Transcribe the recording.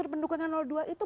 satu pendukungnya dua itu